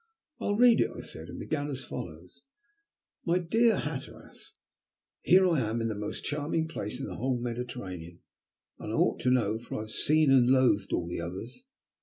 "I'll read it," I said, and began as follows "MY DEAR HATTERAS, "Here I am in the most charming place on the whole Mediterranean, and I ought to know, for I've seen and loathed all the others.